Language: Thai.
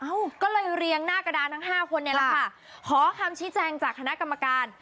ก็เลยเรียงหน้ากระดานทั้งห้าคนเนี่ยแหละค่ะขอคำชี้แจงจากคณะกรรมการ